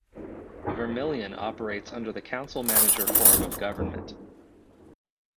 Vermillion operates under the council-manager form of government.